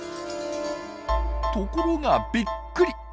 ところがびっくり。